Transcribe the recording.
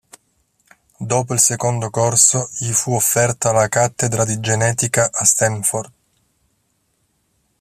Dopo il secondo corso, gli fu offerta la cattedra di genetica a Stanford.